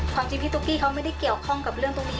จริงพี่ตุ๊กกี้เขาไม่ได้เกี่ยวข้องกับเรื่องตรงนี้